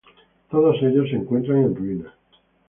Todos ellos se encuentran en ruinas.